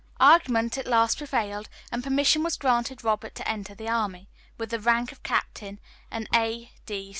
Argument at last prevailed, and permission was granted Robert to enter the army. With the rank of Captain and A.